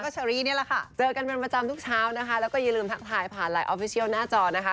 เจอกันเป็นประจำทุกเช้านะคะแล้วก็อย่าลืมทักทายผ่านไลน์ออฟฟิเชียลหน้าจอนะคะ